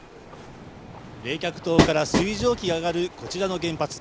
冷却塔から水蒸気が上がる、こちらの原発。